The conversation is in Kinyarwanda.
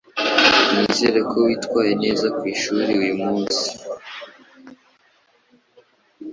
Nizere ko witwaye neza kwishuri uyumunsi.